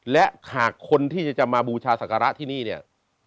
และหากคนที่จะมาบูชาศักระที่นี่เนี่ย